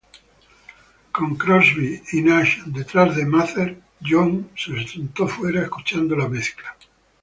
Con Crosby y Nash detrás de Mazer, Young se sentó fuera escuchando la mezcla.